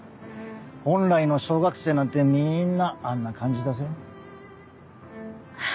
本来の小学生なんてみんなあんな感じだぜ。